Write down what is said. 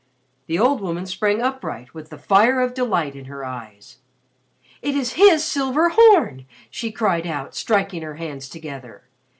The old woman sprang upright with the fire of delight in her eyes. "It is his silver horn!" she cried out striking her hands together.